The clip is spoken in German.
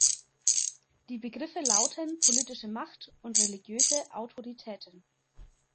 Die Begriffe lauten "politische Macht" und "religiöse Autoritäten".